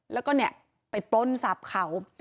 แล้วก็เนี่ยไปปล้นทรัพย์เขา